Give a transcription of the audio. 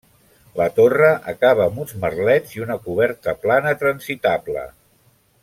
La torre acaba amb uns merlets i una coberta plana transitable.